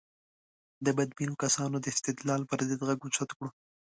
د بدبینو کسانو د استدلال پر ضد غږ اوچت کړو.